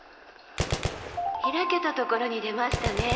開けたところに出ましたね！